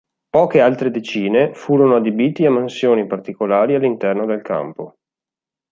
Poche altre decine furono adibiti a mansioni particolari all'interno del campo.